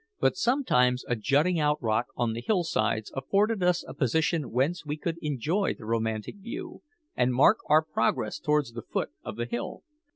But sometimes a jutting out rock on the hillsides afforded us a position whence we could enjoy the romantic view and mark our progress towards the foot of the hill.